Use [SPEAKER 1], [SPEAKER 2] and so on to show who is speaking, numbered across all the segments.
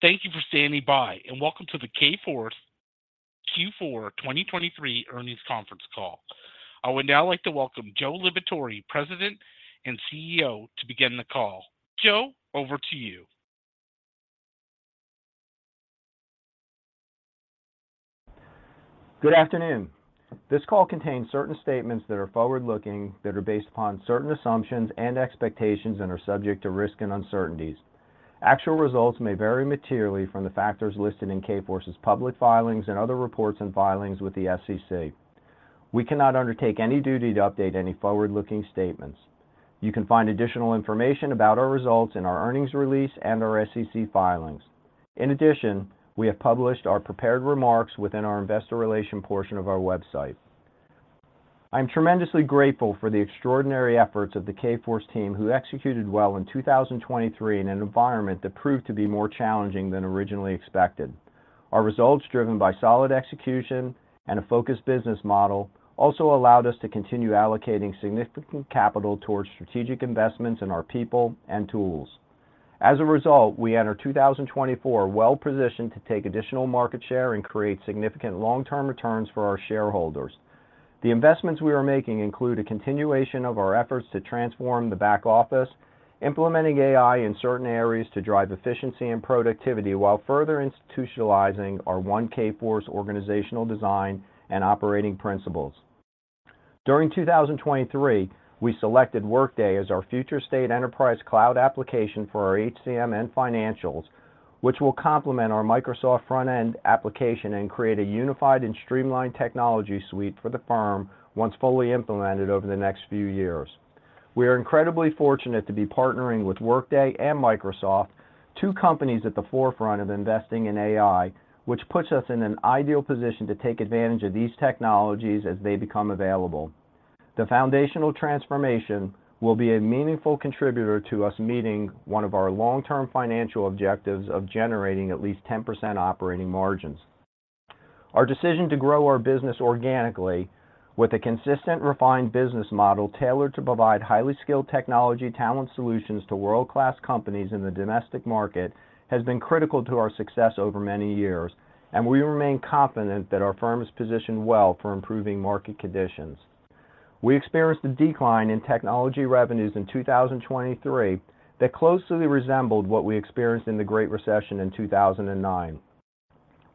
[SPEAKER 1] Thank you for standing by, and welcome to the Kforce Q4 2023 earnings conference call. I would now like to welcome Joe Liberatore, President and CEO, to begin the call. Joe, over to you.
[SPEAKER 2] Good afternoon. This call contains certain statements that are forward-looking, that are based upon certain assumptions and expectations and are subject to risks and uncertainties. Actual results may vary materially from the factors listed in Kforce's public filings and other reports and filings with the SEC. We cannot undertake any duty to update any forward-looking statements. You can find additional information about our results in our earnings release and our SEC filings. In addition, we have published our prepared remarks within our investor relation portion of our website. I am tremendously grateful for the extraordinary efforts of the Kforce team, who executed well in 2023 in an environment that proved to be more challenging than originally expected. Our results, driven by solid execution and a focused business model, also allowed us to continue allocating significant capital towards strategic investments in our people and tools. As a result, we enter 2024 well-positioned to take additional market share and create significant long-term returns for our shareholders. The investments we are making include a continuation of our efforts to transform the back office, implementing AI in certain areas to drive efficiency and productivity, while further institutionalizing our One Kforce organizational design and operating principles. During 2023, we selected Workday as our future state enterprise cloud application for our HCM and financials, which will complement our Microsoft front-end application and create a unified and streamlined technology suite for the firm once fully implemented over the next few years. We are incredibly fortunate to be partnering with Workday and Microsoft, two companies at the forefront of investing in AI, which puts us in an ideal position to take advantage of these technologies as they become available. The foundational transformation will be a meaningful contributor to us meeting one of our long-term financial objectives of generating at least 10% operating margins. Our decision to grow our business organically with a consistent, refined business model, tailored to provide highly skilled technology talent solutions to world-class companies in the domestic market, has been critical to our success over many years, and we remain confident that our firm is positioned well for improving market conditions. We experienced a decline in technology revenues in 2023 that closely resembled what we experienced in the Great Recession in 2009.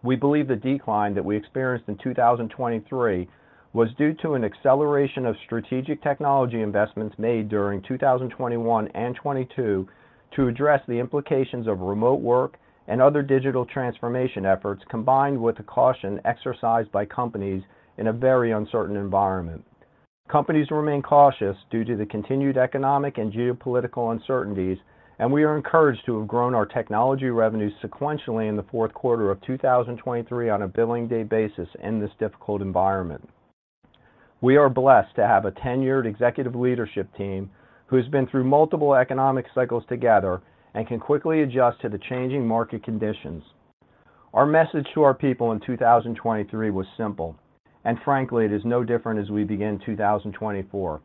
[SPEAKER 2] We believe the decline that we experienced in 2023 was due to an acceleration of strategic technology investments made during 2021 and 2022 to address the implications of remote work and other digital transformation efforts, combined with the caution exercised by companies in a very uncertain environment. Companies remain cautious due to the continued economic and geopolitical uncertainties, and we are encouraged to have grown our technology revenues sequentially in the fourth quarter of 2023 on a billing day basis in this difficult environment. We are blessed to have a tenured executive leadership team who has been through multiple economic cycles together and can quickly adjust to the changing market conditions. Our message to our people in 2023 was simple, and frankly, it is no different as we begin 2024.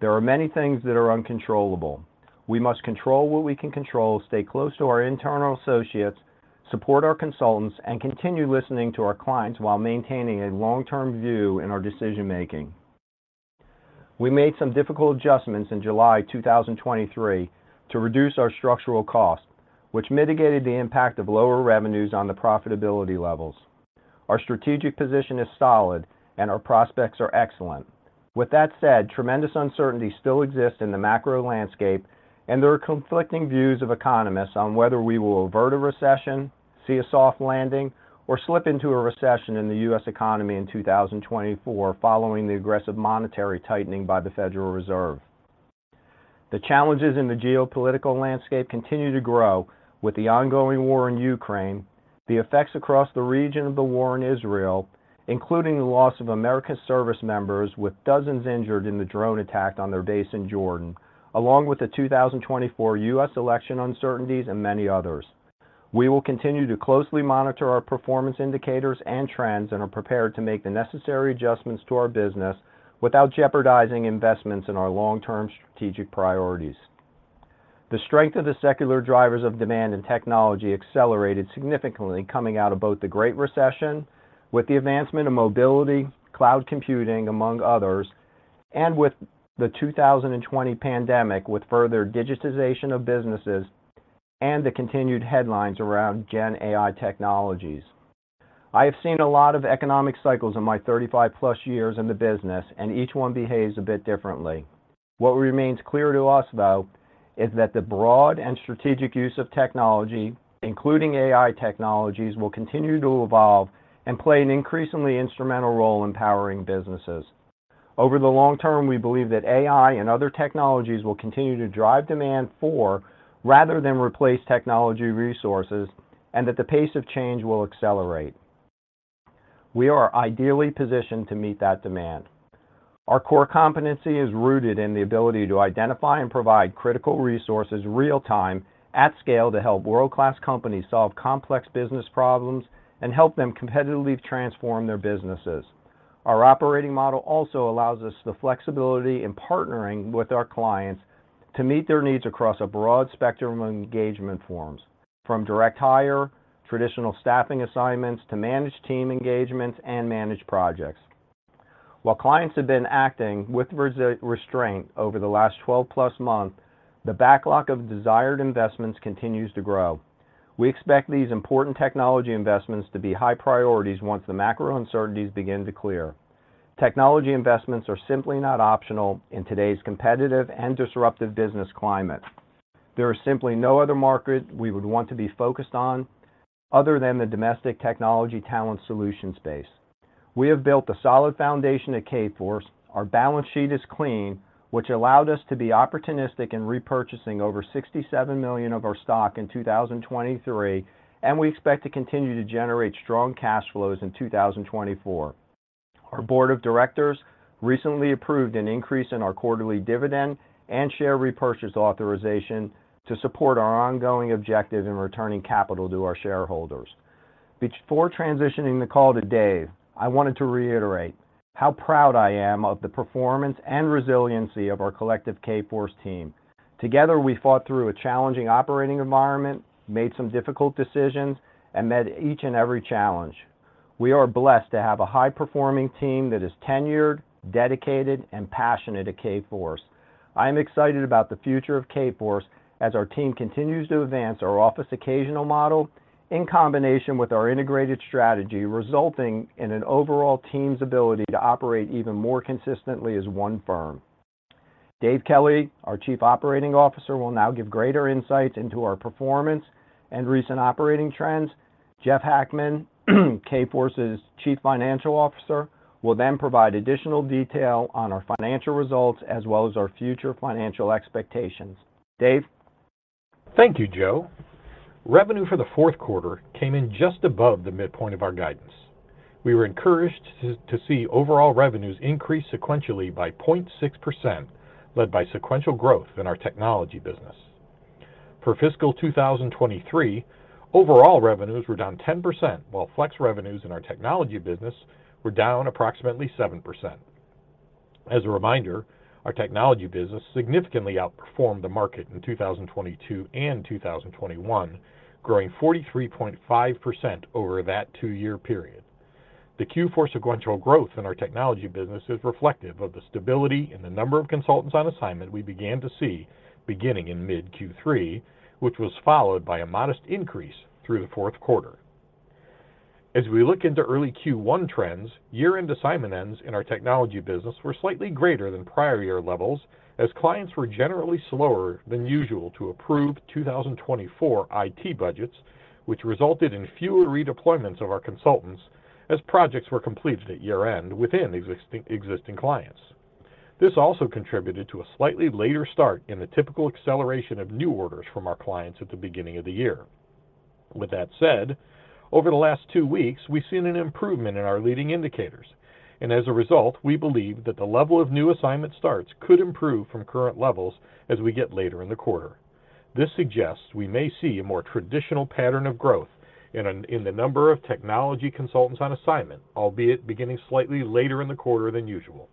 [SPEAKER 2] There are many things that are uncontrollable. We must control what we can control, stay close to our internal associates, support our consultants, and continue listening to our clients while maintaining a long-term view in our decision-making. We made some difficult adjustments in July 2023 to reduce our structural cost, which mitigated the impact of lower revenues on the profitability levels. Our strategic position is solid, and our prospects are excellent. With that said, tremendous uncertainty still exists in the macro landscape, and there are conflicting views of economists on whether we will avert a recession, see a soft landing, or slip into a recession in the U.S. economy in 2024, following the aggressive monetary tightening by the Federal Reserve. The challenges in the geopolitical landscape continue to grow with the ongoing war in Ukraine, the effects across the region of the war in Israel, including the loss of American service members, with dozens injured in the drone attack on their base in Jordan, along with the 2024 U.S. election uncertainties and many others. We will continue to closely monitor our performance indicators and trends and are prepared to make the necessary adjustments to our business without jeopardizing investments in our long-term strategic priorities. The strength of the secular drivers of demand and technology accelerated significantly coming out of both the Great Recession, with the advancement of mobility, cloud computing, among others, and with the 2020 pandemic, with further digitization of businesses and the continued headlines around GenAI technologies. I have seen a lot of economic cycles in my 35+ years in the business, and each one behaves a bit differently. What remains clear to us, though, is that the broad and strategic use of technology, including AI technologies, will continue to evolve and play an increasingly instrumental role in powering businesses. Over the long term, we believe that AI and other technologies will continue to drive demand for rather than replace technology resources, and that the pace of change will accelerate. We are ideally positioned to meet that demand. Our core competency is rooted in the ability to identify and provide critical resources, real-time, at scale, to help world-class companies solve complex business problems and help them competitively transform their businesses... Our operating model also allows us the flexibility in partnering with our clients to meet their needs across a broad spectrum of engagement forms, from direct hire, traditional staffing assignments, to managed team engagements and managed projects. While clients have been acting with restraint over the last 12+ months, the backlog of desired investments continues to grow. We expect these important technology investments to be high priorities once the macro uncertainties begin to clear. Technology investments are simply not optional in today's competitive and disruptive business climate. There is simply no other market we would want to be focused on other than the domestic technology talent solution space. We have built a solid foundation at Kforce. Our balance sheet is clean, which allowed us to be opportunistic in repurchasing over $67 million of our stock in 2023, and we expect to continue to generate strong cash flows in 2024. Our board of directors recently approved an increase in our quarterly dividend and share repurchase authorization to support our ongoing objective in returning capital to our shareholders. Before transitioning the call to Dave, I wanted to reiterate how proud I am of the performance and resiliency of our collective Kforce team. Together, we fought through a challenging operating environment, made some difficult decisions, and met each and every challenge. We are blessed to have a high-performing team that is tenured, dedicated, and passionate at Kforce. I am excited about the future of Kforce as our team continues to advance our Office Occasional model in combination with our integrated strategy, resulting in an overall team's ability to operate even more consistently as one firm. Dave Kelly, our Chief Operating Officer, will now give greater insights into our performance and recent operating trends. Jeff Hackman, Kforce's Chief Financial Officer, will then provide additional detail on our financial results as well as our future financial expectations. Dave?
[SPEAKER 3] Thank you, Joe. Revenue for the fourth quarter came in just above the midpoint of our guidance. We were encouraged to see overall revenues increase sequentially by 0.6%, led by sequential growth in our technology business. For fiscal 2023, overall revenues were down 10%, while flex revenues in our technology business were down approximately 7%. As a reminder, our technology business significantly outperformed the market in 2022 and 2021, growing 43.5% over that two-year period. The Q4 sequential growth in our technology business is reflective of the stability in the number of consultants on assignment we began to see beginning in mid-Q3, which was followed by a modest increase through the fourth quarter. As we look into early Q1 trends, year-end assignment ends in our technology business were slightly greater than prior year levels, as clients were generally slower than usual to approve 2024 IT budgets, which resulted in fewer redeployments of our consultants as projects were completed at year-end within existing clients. This also contributed to a slightly later start in the typical acceleration of new orders from our clients at the beginning of the year. With that said, over the last two weeks, we've seen an improvement in our leading indicators, and as a result, we believe that the level of new assignment starts could improve from current levels as we get later in the quarter. This suggests we may see a more traditional pattern of growth in the number of technology consultants on assignment, albeit beginning slightly later in the quarter than usual.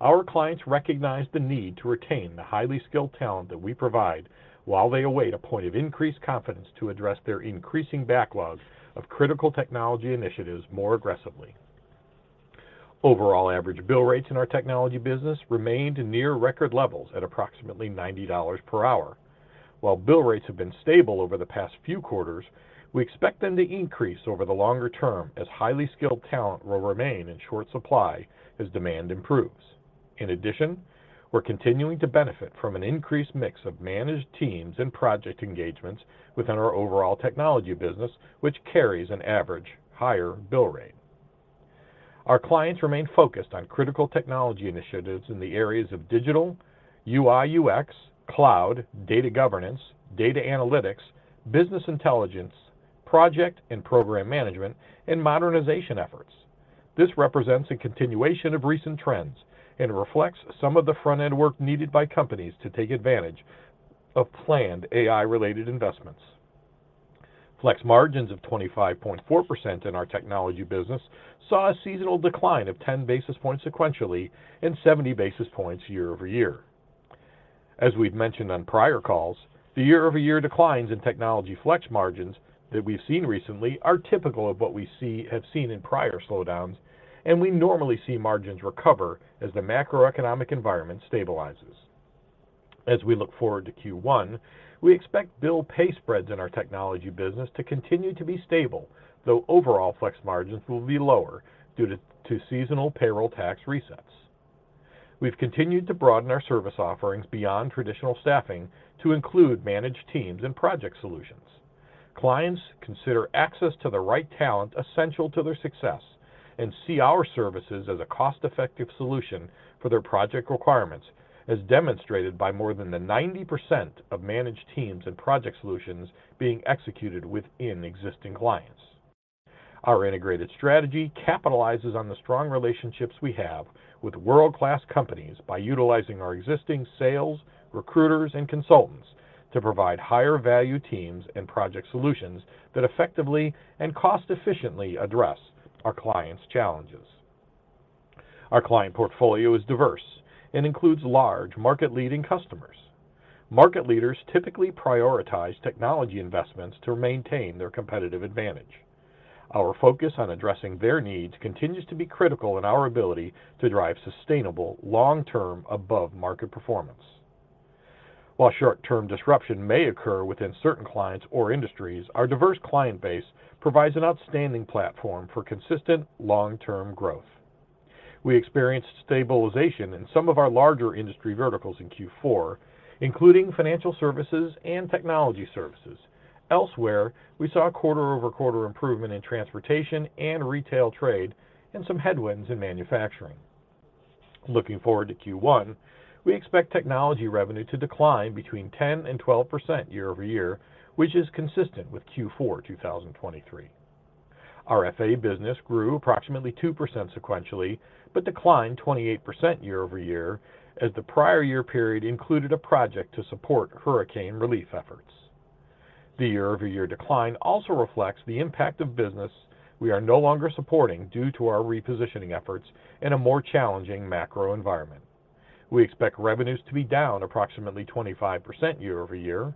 [SPEAKER 3] Our clients recognize the need to retain the highly skilled talent that we provide while they await a point of increased confidence to address their increasing backlog of critical technology initiatives more aggressively. Overall, average bill rates in our technology business remained near record levels at approximately $90 per hour. While bill rates have been stable over the past few quarters, we expect them to increase over the longer term as highly skilled talent will remain in short supply as demand improves. In addition, we're continuing to benefit from an increased mix of managed teams and project engagements within our overall technology business, which carries an average higher bill rate. Our clients remain focused on critical technology initiatives in the areas of digital, UI/UX, cloud, data governance, data analytics, business intelligence, project and program management, and modernization efforts. This represents a continuation of recent trends and reflects some of the front-end work needed by companies to take advantage of planned AI-related investments. Flex margins of 25.4% in our technology business saw a seasonal decline of 10 basis points sequentially and 70 basis points year-over-year. As we've mentioned on prior calls, the year-over-year declines in technology flex margins that we've seen recently are typical of what we have seen in prior slowdowns, and we normally see margins recover as the macroeconomic environment stabilizes. As we look forward to Q1, we expect bill pay spreads in our technology business to continue to be stable, though overall flex margins will be lower due to seasonal payroll tax resets. We've continued to broaden our service offerings beyond traditional staffing to include managed teams and project solutions. Clients consider access to the right talent essential to their success and see our services as a cost-effective solution for their project requirements, as demonstrated by more than the 90% of managed teams and project solutions being executed within existing clients. Our integrated strategy capitalizes on the strong relationships we have with world-class companies by utilizing our existing sales, recruiters, and consultants.... to provide higher value teams and project solutions that effectively and cost-efficiently address our clients' challenges. Our client portfolio is diverse and includes large market-leading customers. Market leaders typically prioritize technology investments to maintain their competitive advantage. Our focus on addressing their needs continues to be critical in our ability to drive sustainable, long-term, above-market performance. While short-term disruption may occur within certain clients or industries, our diverse client base provides an outstanding platform for consistent, long-term growth. We experienced stabilization in some of our larger industry verticals in Q4, including financial services and technology services. Elsewhere, we saw quarter-over-quarter improvement in transportation and retail trade, and some headwinds in manufacturing. Looking forward to Q1, we expect technology revenue to decline between 10% and 12% year-over-year, which is consistent with Q4 2023. Our FA business grew approximately 2% sequentially, but declined 28% year-over-year, as the prior year period included a project to support hurricane relief efforts. The year-over-year decline also reflects the impact of business we are no longer supporting due to our repositioning efforts in a more challenging macro environment. We expect revenues to be down approximately 25% year-over-year.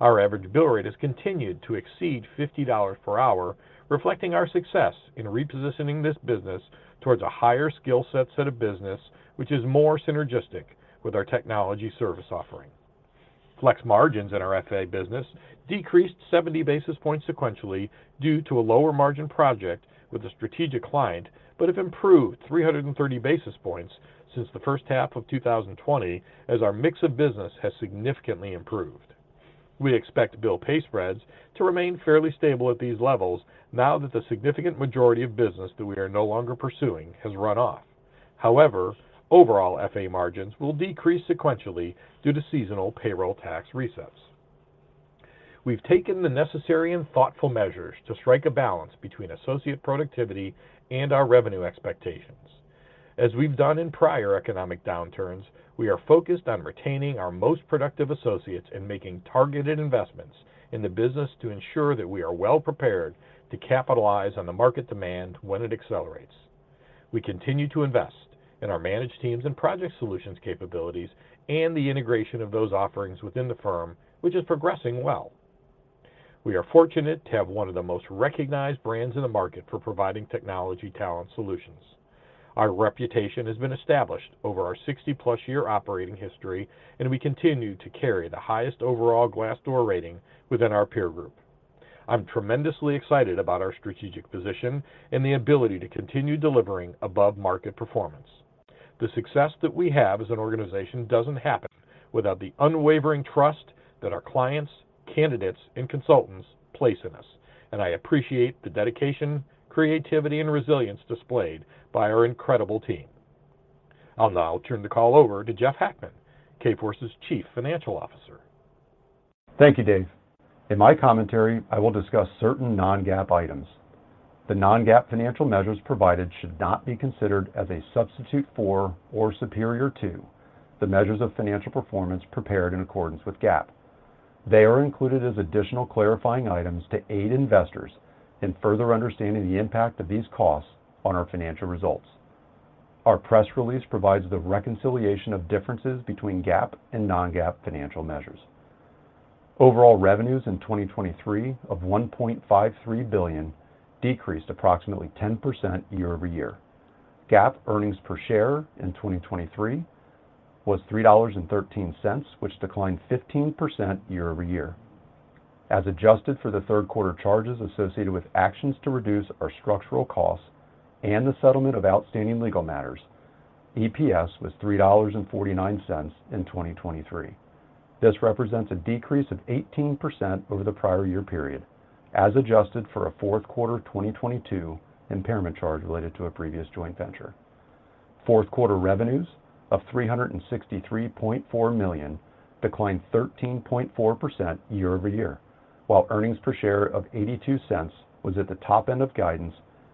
[SPEAKER 3] Our average bill rate has continued to exceed $50 per hour, reflecting our success in repositioning this business towards a higher skill set of business, which is more synergistic with our technology service offering. Flex margins in our FA business decreased 70 basis points sequentially due to a lower margin project with a strategic client, but have improved 330 basis points since the first half of 2020, as our mix of business has significantly improved. We expect bill pay spreads to remain fairly stable at these levels now that the significant majority of business that we are no longer pursuing has run off. However, overall FA margins will decrease sequentially due to seasonal payroll tax resets. We've taken the necessary and thoughtful measures to strike a balance between associate productivity and our revenue expectations. As we've done in prior economic downturns, we are focused on retaining our most productive associates and making targeted investments in the business to ensure that we are well-prepared to capitalize on the market demand when it accelerates. We continue to invest in our managed teams and project solutions capabilities and the integration of those offerings within the firm, which is progressing well. We are fortunate to have one of the most recognized brands in the market for providing technology talent solutions. Our reputation has been established over our 60+ year operating history, and we continue to carry the highest overall Glassdoor rating within our peer group. I'm tremendously excited about our strategic position and the ability to continue delivering above-market performance. The success that we have as an organization doesn't happen without the unwavering trust that our clients, candidates, and consultants place in us, and I appreciate the dedication, creativity, and resilience displayed by our incredible team. I'll now turn the call over to Jeff Hackman, Kforce's Chief Financial Officer.
[SPEAKER 4] Thank you, Dave. In my commentary, I will discuss certain non-GAAP items. The non-GAAP financial measures provided should not be considered as a substitute for or superior to the measures of financial performance prepared in accordance with GAAP. They are included as additional clarifying items to aid investors in further understanding the impact of these costs on our financial results. Our press release provides the reconciliation of differences between GAAP and non-GAAP financial measures. Overall, revenues in 2023 of $1.53 billion decreased approximately 10% year-over-year. GAAP earnings per share in 2023 was $3.13, which declined 15% year-over-year. As adjusted for the third quarter charges associated with actions to reduce our structural costs and the settlement of outstanding legal matters, EPS was $3.49 in 2023. This represents a decrease of 18% over the prior year period, as adjusted for a fourth quarter 2022 impairment charge related to a previous joint venture. Fourth quarter revenues of $363.4 million declined 13.4% year-over-year, while earnings per share of $0.82 was at the top end of guidance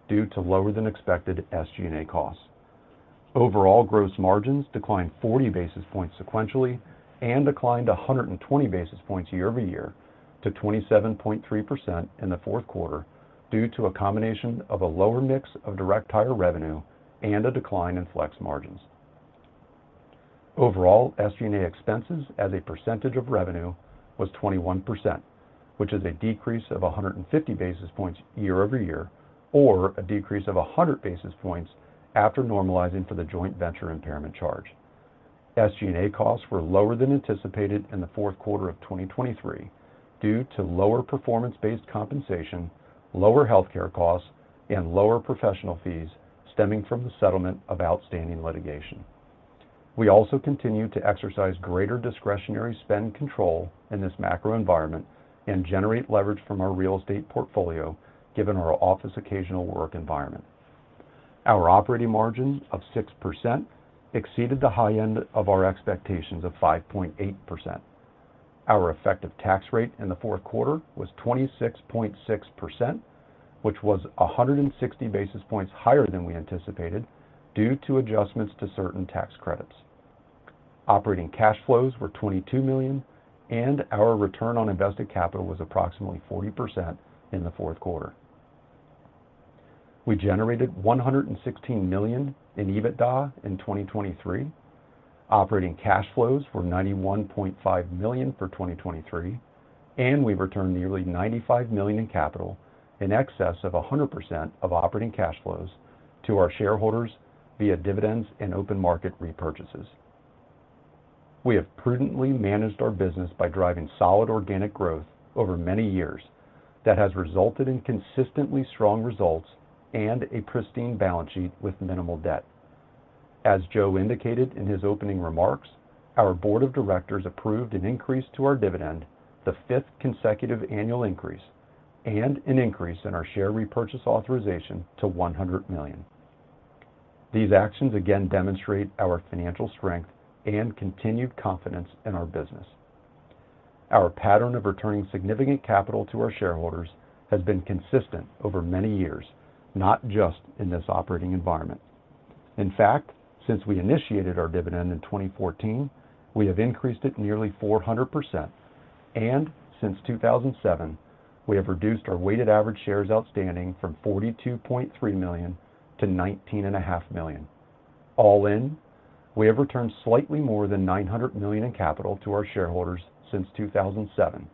[SPEAKER 4] due to lower-than-expected SG&A costs. Overall, gross margins declined 40 basis points sequentially and declined 120 basis points year-over-year to 27.3% in the fourth quarter due to a combination of a lower mix of direct hire revenue and a decline in flex margins. Overall, SG&A expenses as a percentage of revenue was 21%, which is a decrease of 150 basis points year-over-year, or a decrease of 100 basis points after normalizing for the joint venture impairment charge. SG&A costs were lower than anticipated in the fourth quarter of 2023 due to lower performance-based compensation, lower healthcare costs, and lower professional fees stemming from the settlement of outstanding litigation. We also continue to exercise greater discretionary spend control in this macro environment and generate leverage from our real estate portfolio, given our Office Occasional work environment. Our operating margin of 6% exceeded the high end of our expectations of 5.8%. Our effective tax rate in the fourth quarter was 26.6%, which was 160 basis points higher than we anticipated due to adjustments to certain tax credits. Operating cash flows were $22 million, and our return on invested capital was approximately 40% in the fourth quarter. We generated $116 million in EBITDA in 2023. Operating cash flows were $91.5 million for 2023, and we returned nearly $95 million in capital, in excess of 100% of operating cash flows to our shareholders via dividends and open market repurchases. We have prudently managed our business by driving solid organic growth over many years that has resulted in consistently strong results and a pristine balance sheet with minimal debt. As Joe indicated in his opening remarks, our board of directors approved an increase to our dividend, the fifth consecutive annual increase, and an increase in our share repurchase authorization to $100 million. These actions again demonstrate our financial strength and continued confidence in our business. Our pattern of returning significant capital to our shareholders has been consistent over many years, not just in this operating environment. In fact, since we initiated our dividend in 2014, we have increased it nearly 400%, and since 2007, we have reduced our weighted average shares outstanding from 42.3 million-19.5 million. All in, we have returned slightly more than $900 million in capital to our shareholders since 2007,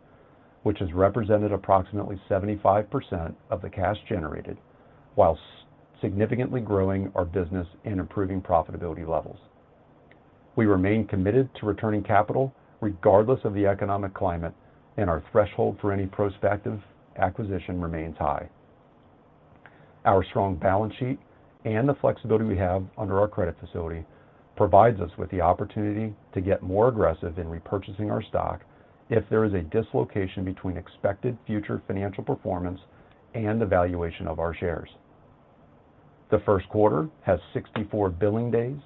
[SPEAKER 4] which has represented approximately 75% of the cash generated, while significantly growing our business and improving profitability levels. We remain committed to returning capital regardless of the economic climate, and our threshold for any prospective acquisition remains high. Our strong balance sheet and the flexibility we have under our credit facility provides us with the opportunity to get more aggressive in repurchasing our stock if there is a dislocation between expected future financial performance and the valuation of our shares. The first quarter has 64 billing days,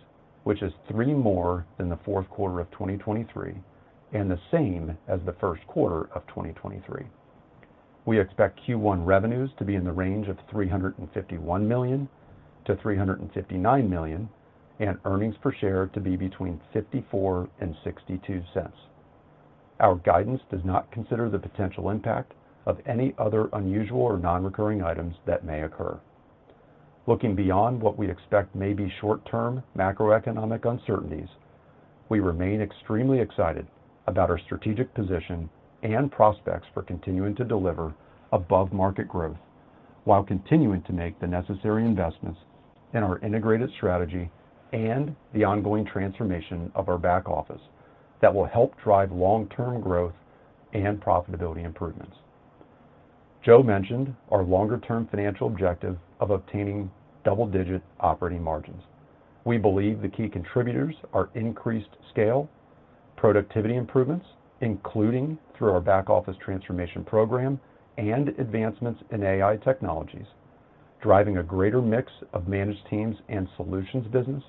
[SPEAKER 4] which is three more than the fourth quarter of 2023, and the same as the first quarter of 2023. We expect Q1 revenues to be in the range of $351 million-$359 million, and earnings per share to be between $0.54 and $0.62. Our guidance does not consider the potential impact of any other unusual or non-recurring items that may occur. Looking beyond what we expect may be short-term macroeconomic uncertainties, we remain extremely excited about our strategic position and prospects for continuing to deliver above-market growth while continuing to make the necessary investments in our integrated strategy and the ongoing transformation of our back office that will help drive long-term growth and profitability improvements. Joe mentioned our longer-term financial objective of obtaining double-digit operating margins. We believe the key contributors are increased scale, productivity improvements, including through our back office transformation program and advancements in AI technologies, driving a greater mix of managed teams and solutions business,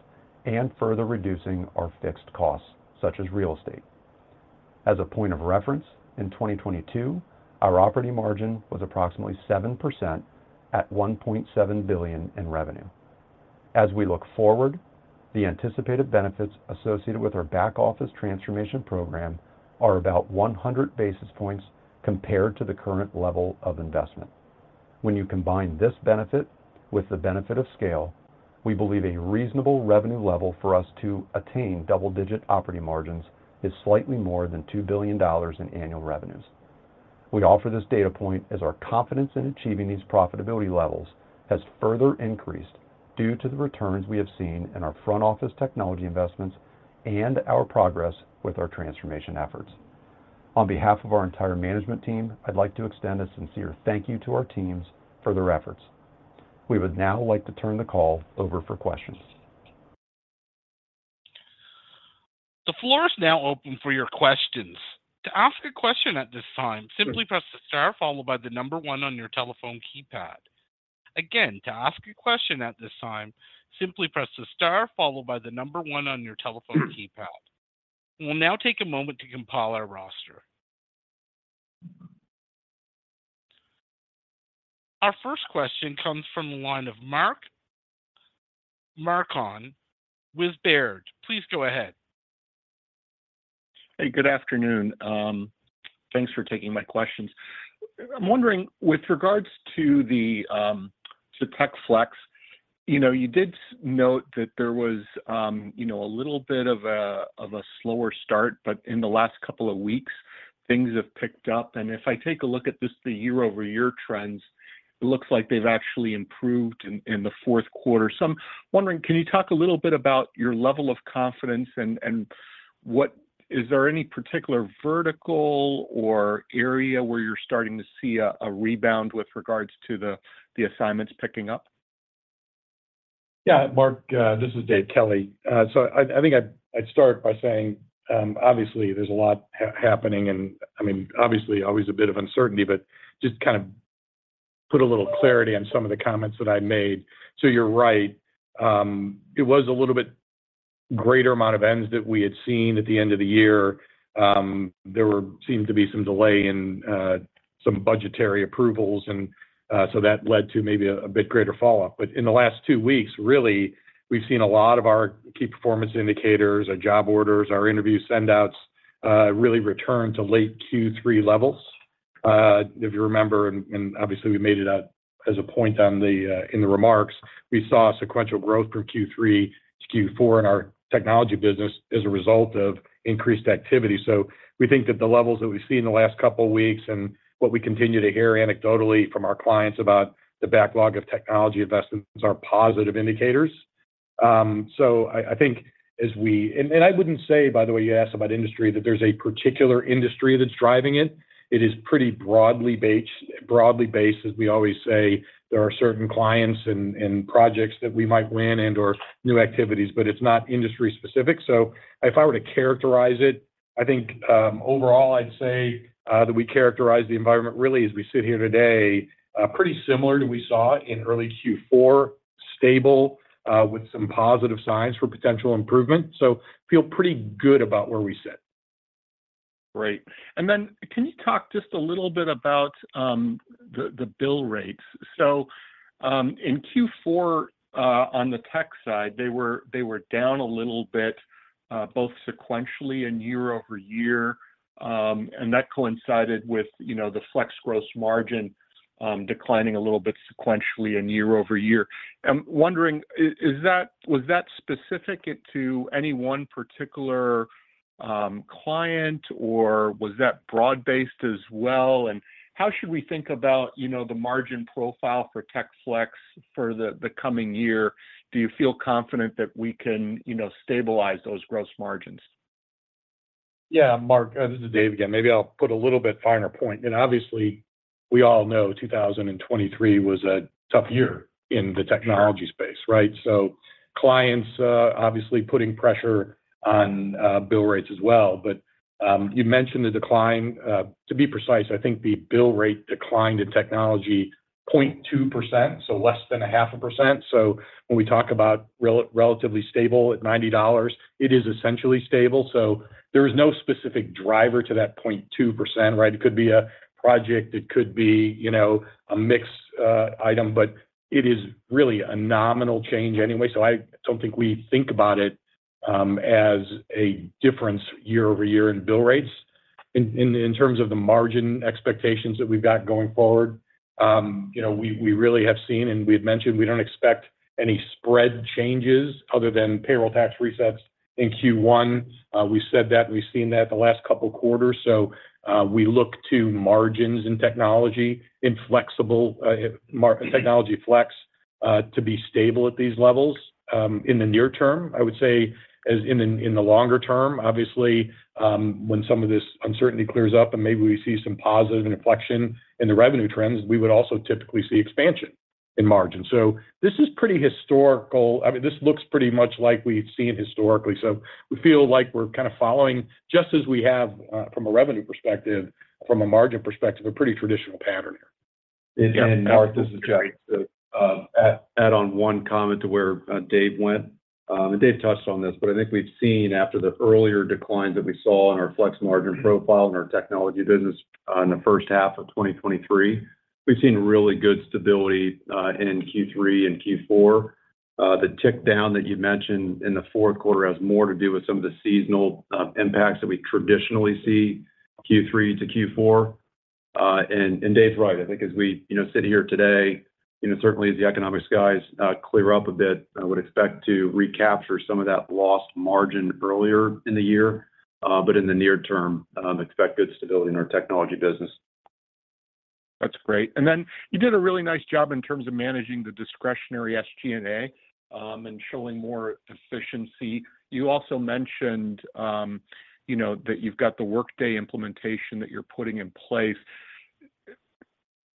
[SPEAKER 4] and further reducing our fixed costs, such as real estate. As a point of reference, in 2022, our operating margin was approximately 7% at $1.7 billion in revenue. As we look forward, the anticipated benefits associated with our back office transformation program are about 100 basis points compared to the current level of investment. When you combine this benefit with the benefit of scale, we believe a reasonable revenue level for us to attain double-digit operating margins is slightly more than $2 billion in annual revenues. We offer this data point as our confidence in achieving these profitability levels has further increased due to the returns we have seen in our front office technology investments and our progress with our transformation efforts. On behalf of our entire management team, I'd like to extend a sincere thank you to our teams for their efforts. We would now like to turn the call over for questions.
[SPEAKER 1] The floor is now open for your questions. To ask a question at this time, simply press the star followed by the number one on your telephone keypad. Again, to ask a question at this time, simply press the star followed by the number one on your telephone keypad. We'll now take a moment to compile our roster. Our first question comes from the line of Mark Marcon with Baird. Please go ahead.
[SPEAKER 5] Hey, good afternoon. Thanks for taking my questions. I'm wondering, with regards to the, to Tech Flex, you know, you did note that there was, you know, a little bit of a, of a slower start, but in the last couple of weeks, things have picked up. And if I take a look at this, the year-over-year trends, it looks like they've actually improved in the fourth quarter. So I'm wondering, can you talk a little bit about your level of confidence and, and what... Is there any particular vertical or area where you're starting to see a rebound with regards to the assignments picking up?
[SPEAKER 3] Yeah, Mark, this is Dave Kelly. So I think I'd start by saying, obviously, there's a lot happening, and I mean, obviously, always a bit of uncertainty, but just to kind of put a little clarity on some of the comments that I made. So you're right. It was a little bit-... greater amount of ends that we had seen at the end of the year, there seemed to be some delay in some budgetary approvals, and so that led to maybe a bit greater follow-up. But in the last two weeks, really, we've seen a lot of our key performance indicators, our job orders, our interview send-outs, really return to late Q3 levels. If you remember, and obviously we made it out as a point in the remarks, we saw sequential growth from Q3 to Q4 in our technology business as a result of increased activity. So we think that the levels that we've seen in the last couple of weeks and what we continue to hear anecdotally from our clients about the backlog of technology investments are positive indicators. So I think, and I wouldn't say, by the way, you asked about industry, that there's a particular industry that's driving it. It is pretty broadly based, broadly based, as we always say, there are certain clients and projects that we might win and/or new activities, but it's not industry specific. So if I were to characterize it, I think, overall, I'd say, that we characterize the environment really, as we sit here today, pretty similar to we saw in early Q4, stable, with some positive signs for potential improvement. So feel pretty good about where we sit.
[SPEAKER 5] Great. Then, can you talk just a little bit about the bill rates? So, in Q4, on the tech side, they were down a little bit both sequentially and year-over-year. And that coincided with, you know, the Flex gross margin declining a little bit sequentially and year-over-year. I'm wondering, is that, was that specific to any one particular client, or was that broad-based as well? And how should we think about, you know, the margin profile for Tech Flex for the coming year? Do you feel confident that we can, you know, stabilize those gross margins?
[SPEAKER 3] Yeah, Mark, this is Dave again. Maybe I'll put a little bit finer point. Obviously, we all know 2023 was a tough year in the-
[SPEAKER 5] Sure...
[SPEAKER 3] technology space, right? So clients, obviously, putting pressure on, bill rates as well. But, you mentioned the decline, to be precise, I think the bill rate declined in technology 0.2%, so less than half a percent. So when we talk about relatively stable at $90, it is essentially stable, so there is no specific driver to that 0.2%, right? It could be a project, it could be, you know, a mixed, item, but it is really a nominal change anyway, so I don't think we think about it, as a difference year-over-year in bill rates. In terms of the margin expectations that we've got going forward, you know, we, we really have seen, and we've mentioned, we don't expect any spread changes other than payroll tax resets in Q1. We said that, we've seen that the last couple quarters, so, we look to margins in technology, in flexible, technology flex, to be stable at these levels. In the near term, I would say as in the, in the longer term, obviously, when some of this uncertainty clears up and maybe we see some positive inflection in the revenue trends, we would also typically see expansion in margin. So this is pretty historical. I mean, this looks pretty much like we've seen historically, so we feel like we're kind of following, just as we have, from a revenue perspective, from a margin perspective, a pretty traditional pattern here.
[SPEAKER 4] Mark, this is Jeff. Add on one comment to where Dave went. And Dave touched on this, but I think we've seen after the earlier declines that we saw in our flex margin profile and our technology business in the first half of 2023, we've seen really good stability in Q3 and Q4. The tick down that you mentioned in the fourth quarter has more to do with some of the seasonal impacts that we traditionally see Q3 to Q4. And Dave's right. I think as we, you know, sit here today, you know, certainly as the economic skies clear up a bit, I would expect to recapture some of that lost margin earlier in the year, but in the near term, expect good stability in our technology business.
[SPEAKER 5] That's great. And then you did a really nice job in terms of managing the discretionary SG&A, and showing more efficiency. You also mentioned, you know, that you've got the Workday implementation that you're putting in place.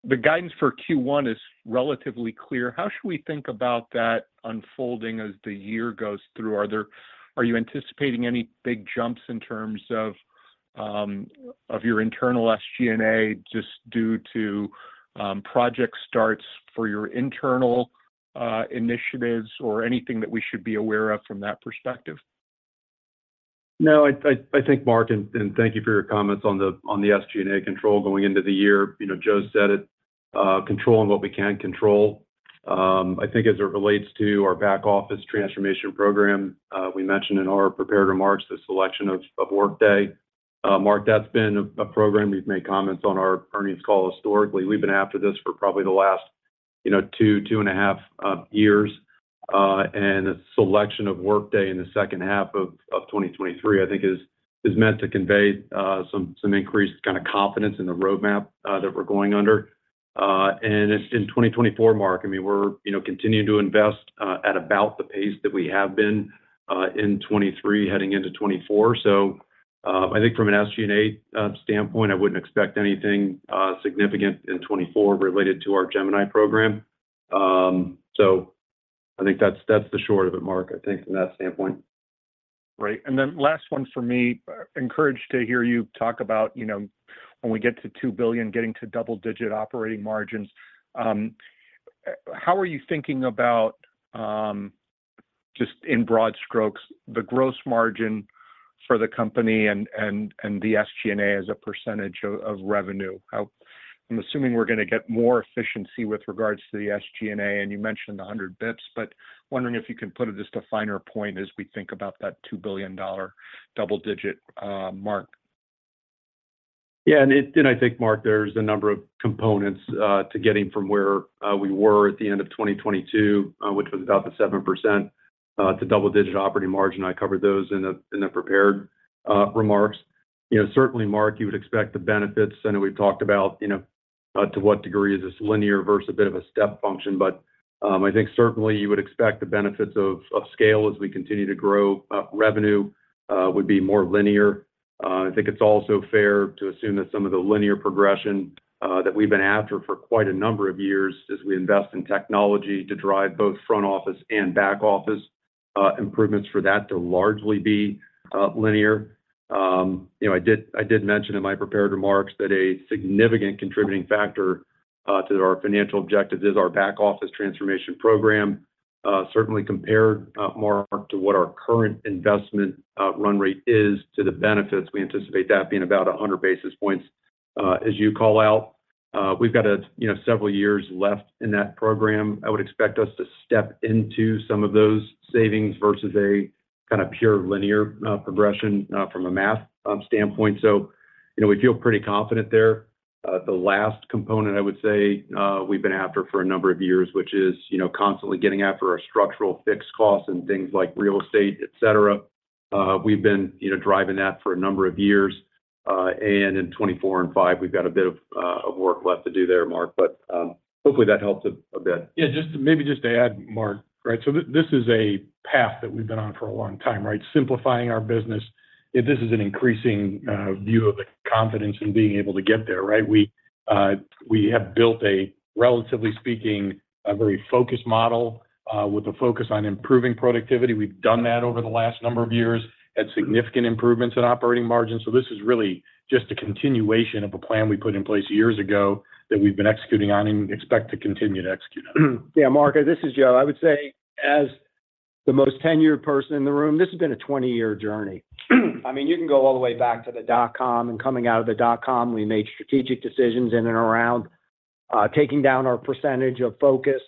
[SPEAKER 5] The guidance for Q1 is relatively clear. How should we think about that unfolding as the year goes through? Are you anticipating any big jumps in terms of, of your internal SG&A, just due to, project starts for your internal initiatives or anything that we should be aware of from that perspective?
[SPEAKER 4] No, I think, Mark, and thank you for your comments on the SG&A control going into the year. You know, Joe said it, controlling what we can control. I think as it relates to our back office transformation program, we mentioned in our prepared remarks the selection of Workday. Mark, that's been a program we've made comments on our earnings call historically. We've been after this for probably the last, you know, two and a half years. And the selection of Workday in the second half of 2023, I think is meant to convey some increased kind of confidence in the roadmap that we're going under. And in 2024, Mark, I mean, we're, you know, continuing to invest at about the pace that we have been in 2023, heading into 2024. So, I think from an SG&A standpoint, I wouldn't expect anything significant in 2024 related to our Gemini program. So I think that's, that's the short of it, Mark, I think from that standpoint....
[SPEAKER 5] Great. And then last one for me, encouraged to hear you talk about, you know, when we get to $2 billion, getting to double-digit operating margins. How are you thinking about, just in broad strokes, the gross margin for the company and, and, and the SG&A as a percentage of, of revenue? I'm assuming we're going to get more efficiency with regards to the SG&A, and you mentioned 100 basis points, but wondering if you can put it just a finer point as we think about that $2 billion double-digit, mark.
[SPEAKER 4] Yeah, I think, Mark, there's a number of components to getting from where we were at the end of 2022, which was about the 7%, to double-digit operating margin. I covered those in the prepared remarks. You know, certainly, Mark, you would expect the benefits, and we've talked about, you know, to what degree is this linear versus a bit of a step function. But, I think certainly you would expect the benefits of scale as we continue to grow. Revenue would be more linear. I think it's also fair to assume that some of the linear progression that we've been after for quite a number of years as we invest in technology to drive both front office and back office improvements for that to largely be linear. You know, I did mention in my prepared remarks that a significant contributing factor to our financial objectives is our back office transformation program. Certainly compared, Mark, to what our current investment run rate is to the benefits, we anticipate that being about 100 basis points. As you call out, we've got a, you know, several years left in that program. I would expect us to step into some of those savings versus a kind of pure linear progression from a math standpoint. So, you know, we feel pretty confident there. The last component I would say we've been after for a number of years, which is, you know, constantly getting after our structural fixed costs and things like real estate, et cetera. We've been, you know, driving that for a number of years, and in 2024 and 2025, we've got a bit of work left to do there, Mark, but hopefully, that helps a bit.
[SPEAKER 3] Yeah, just maybe to add, Mark, right? So this is a path that we've been on for a long time, right? We have built, relatively speaking, a very focused model with a focus on improving productivity. We've done that over the last number of years, had significant improvements in operating margins. So this is really just a continuation of a plan we put in place years ago that we've been executing on and expect to continue to execute on.
[SPEAKER 2] Yeah, Mark, this is Joe. I would say as the most tenured person in the room, this has been a 20-year journey. I mean, you can go all the way back to the dot-com and coming out of the dot-com, we made strategic decisions in and around taking down our percentage of focus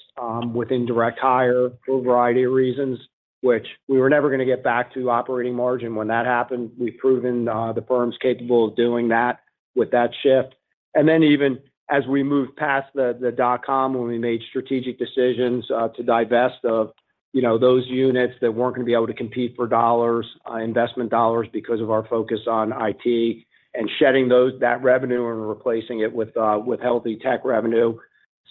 [SPEAKER 2] within direct hire for a variety of reasons, which we were never going to get back to operating margin. When that happened, we've proven the firm's capable of doing that with that shift. And then even as we moved past the dot-com, when we made strategic decisions to divest of, you know, those units that weren't going to be able to compete for dollars, investment dollars, because of our focus on IT and shedding that revenue and replacing it with healthy tech revenue.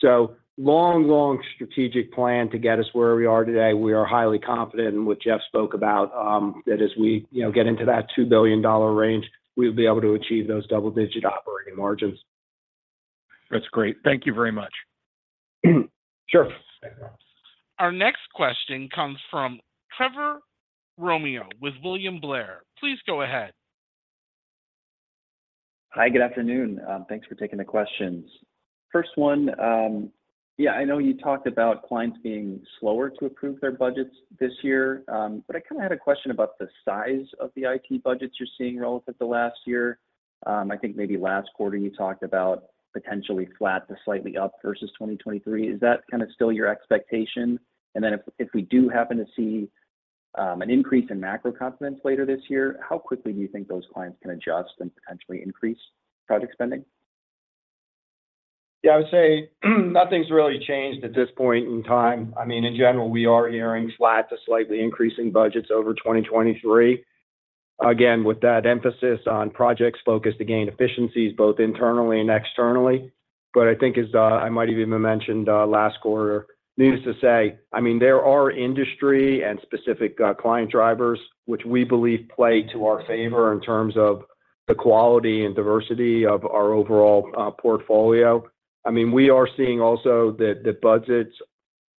[SPEAKER 2] So, long, long strategic plan to get us where we are today. We are highly confident in what Jeff spoke about that as we, you know, get into that $2 billion range, we'll be able to achieve those double-digit operating margins.
[SPEAKER 5] That's great. Thank you very much.
[SPEAKER 2] Sure. Thanks.
[SPEAKER 1] Our next question comes from Trevor Romeo with William Blair. Please go ahead.
[SPEAKER 6] Hi, good afternoon. Thanks for taking the questions. First one, yeah, I know you talked about clients being slower to approve their budgets this year, but I kind of had a question about the size of the IT budgets you're seeing relative to last year. I think maybe last quarter you talked about potentially flat to slightly up versus 2023. Is that kind of still your expectation? And then if we do happen to see an increase in macro confidence later this year, how quickly do you think those clients can adjust and potentially increase project spending?
[SPEAKER 2] Yeah, I would say, nothing's really changed at this point in time. I mean, in general, we are hearing flat to slightly increasing budgets over 2023. Again, with that emphasis on projects focused to gain efficiencies, both internally and externally. But I think as, I might even mentioned, last quarter, needless to say, I mean, there are industry and specific, client drivers which we believe play to our favor in terms of the quality and diversity of our overall, portfolio. I mean, we are seeing also that the budgets,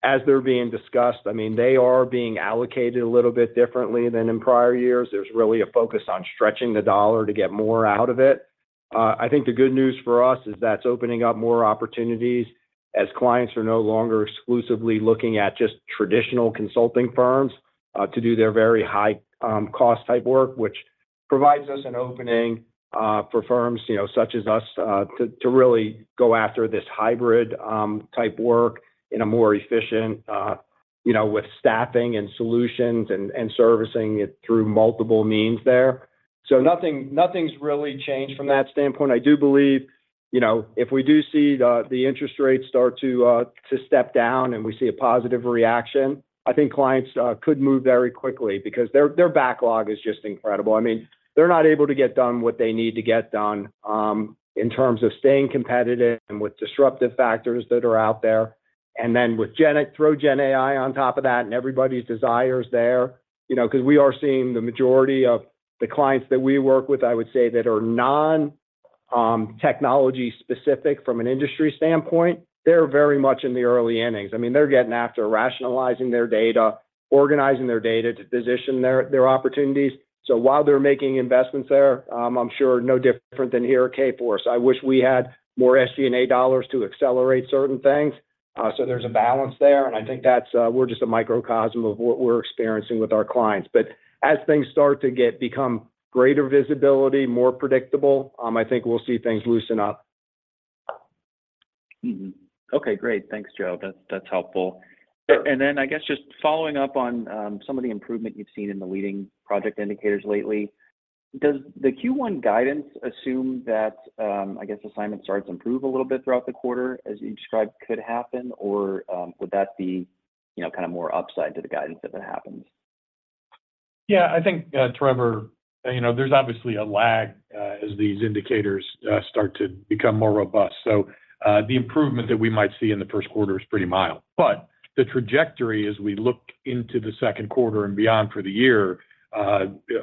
[SPEAKER 2] as they're being discussed, I mean, they are being allocated a little bit differently than in prior years. There's really a focus on stretching the dollar to get more out of it. I think the good news for us is that's opening up more opportunities as clients are no longer exclusively looking at just traditional consulting firms to do their very high cost type work, which provides us an opening for firms you know such as us to really go after this hybrid type work in a more efficient you know with staffing and solutions and servicing it through multiple means there. So nothing's really changed from that standpoint. I do believe you know if we do see the interest rates start to step down and we see a positive reaction, I think clients could move very quickly because their backlog is just incredible. I mean, they're not able to get done what they need to get done, in terms of staying competitive and with disruptive factors that are out there. And then throw GenAI on top of that and everybody's desires there, you know, because we are seeing the majority of the clients that we work with, I would say, that are non-technology specific from an industry standpoint, they're very much in the early innings. I mean, they're getting after rationalizing their data, organizing their data to position their, their opportunities. So while they're making investments there, I'm sure no different than here at Kforce. I wish we had more SG&A dollars to accelerate certain things. So there's a balance there, and I think that's, we're just a microcosm of what we're experiencing with our clients. But as things start to become greater visibility, more predictable, I think we'll see things loosen up.
[SPEAKER 6] Mm-hmm. Okay, great. Thanks, Joe. That's, that's helpful.
[SPEAKER 2] Sure.
[SPEAKER 6] And then I guess just following up on some of the improvement you've seen in the leading project indicators lately. Does the Q1 guidance assume that, I guess, assignment starts improve a little bit throughout the quarter, as you described could happen, or, would that be, you know, kind of more upside to the guidance if it happens?
[SPEAKER 3] Yeah, I think, Trevor, you know, there's obviously a lag as these indicators start to become more robust. So, the improvement that we might see in the first quarter is pretty mild. But the trajectory as we look into the second quarter and beyond for the year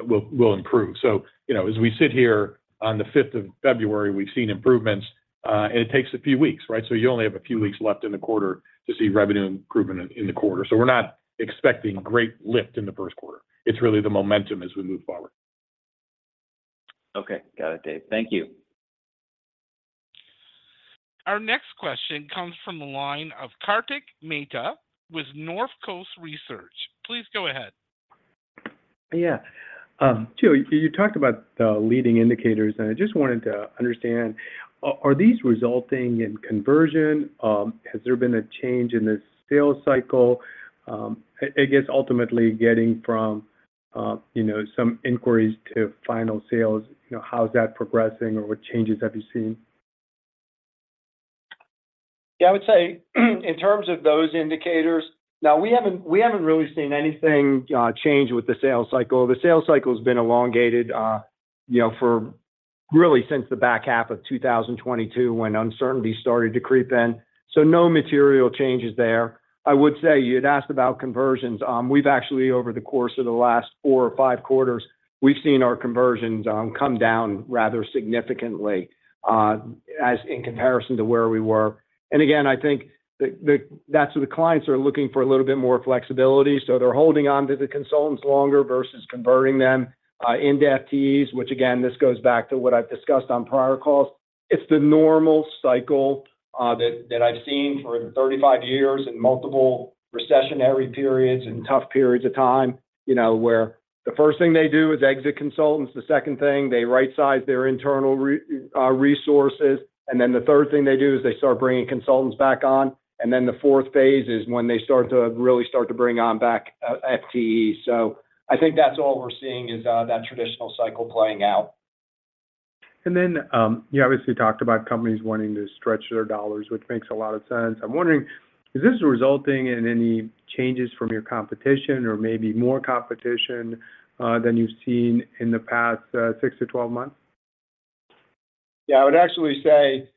[SPEAKER 3] will, will improve. So, you know, as we sit here on the fifth of February, we've seen improvements and it takes a few weeks, right? So you only have a few weeks left in the quarter to see revenue improvement in, in the quarter. So we're not expecting great lift in the first quarter. It's really the momentum as we move forward.
[SPEAKER 6] Okay. Got it, Dave. Thank you.
[SPEAKER 1] Our next question comes from the line of Kartik Mehta with North Coast Research. Please go ahead.
[SPEAKER 7] Yeah. Joe, you talked about the leading indicators, and I just wanted to understand, are these resulting in conversion? Has there been a change in the sales cycle? I guess ultimately getting from, you know, some inquiries to final sales, you know, how is that progressing or what changes have you seen?
[SPEAKER 2] Yeah, I would say, in terms of those indicators, now, we haven't, we haven't really seen anything change with the sales cycle. The sales cycle has been elongated, you know, for really since the back half of 2022, when uncertainty started to creep in. So no material changes there. I would say you'd asked about conversions, we've actually, over the course of the last four or five quarters, we've seen our conversions come down rather significantly, as in comparison to where we were. And again, I think the, the, that's where the clients are looking for a little bit more flexibility, so they're holding on to the consultants longer versus converting them into FTEs, which again, this goes back to what I've discussed on prior calls. It's the normal cycle that I've seen for 35 years in multiple recessionary periods and tough periods of time, you know, where the first thing they do is exit consultants. The second thing, they right-size their internal resources, and then the third thing they do is they start bringing consultants back on, and then the fourth phase is when they start to really start to bring on back FTE. So I think that's all we're seeing is that traditional cycle playing out.
[SPEAKER 7] And then, you obviously talked about companies wanting to stretch their dollars, which makes a lot of sense. I'm wondering, is this resulting in any changes from your competition or maybe more competition than you've seen in the past six to 12 months?
[SPEAKER 2] Yeah, I would actually say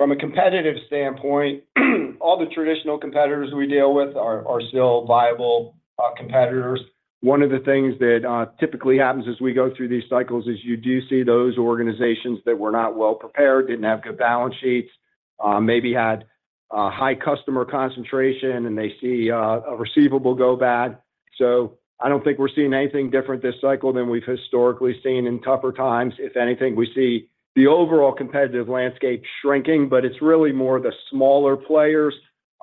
[SPEAKER 2] from a competitive standpoint, all the traditional competitors we deal with are still viable competitors. One of the things that typically happens as we go through these cycles is you do see those organizations that were not well prepared, didn't have good balance sheets, maybe had a high customer concentration, and they see a receivable go bad. So I don't think we're seeing anything different this cycle than we've historically seen in tougher times. If anything, we see the overall competitive landscape shrinking, but it's really more the smaller players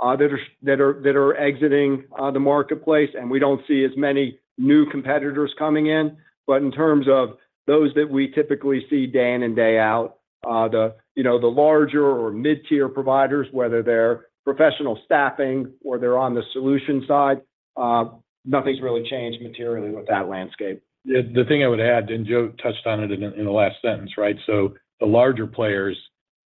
[SPEAKER 2] that are exiting the marketplace, and we don't see as many new competitors coming in. But in terms of those that we typically see day in and day out, you know, the larger or mid-tier providers, whether they're professional staffing or they're on the solution side, nothing's really changed materially with that landscape.
[SPEAKER 3] The thing I would add, and Joe touched on it in the last sentence, right? So the larger players,